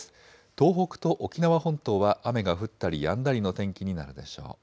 東北と沖縄本島は雨が降ったりやんだりの天気になるでしょう。